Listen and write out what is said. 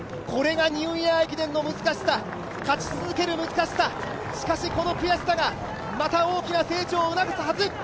これがニューイヤー駅伝の難しさ、勝ち続ける難しさ、しかしこの悔しさがまた大きな成長を促すはず。